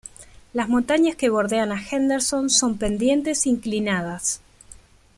Las montañas que bordean a Henderson son pendientes inclinadas.